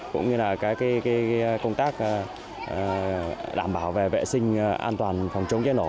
cũng như công tác đảm bảo về vệ sinh an toàn phòng chống chế nổ